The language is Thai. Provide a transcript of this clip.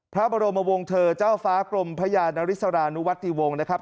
พระบรมวงเถิเจ้าฟ้ากลมพญานฤษฎานุวัฒนิวงศ์นะครับ